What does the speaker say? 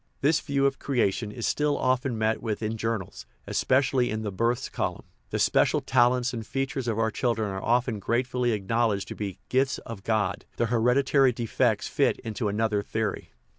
This view of creation is still often met with in journals, especially in the " births" column. The special talents and features of our children are often gratefully acknowledged to be "gifts of God"; their hereditary defects fit into another theory.